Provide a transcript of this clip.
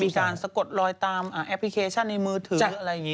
ที่บอกว่ามีจานสะกดลอยตามแอปพลิเคชันในมือถืออะไรอย่าง